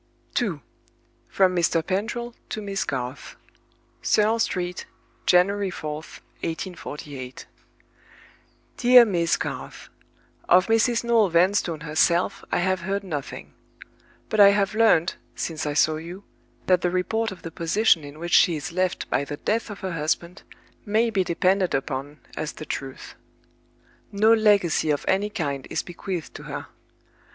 II. From Mr. Pendril to Miss Garth. "Serle Street, January 4th, 1848. "DEAR MISS GARTH, "Of Mrs. Noel Vanstone herself I have heard nothing. But I have learned, since I saw you, that the report of the position in which she is left by the death of her husband may be depended upon as the truth. No legacy of any kind is bequeathed to her.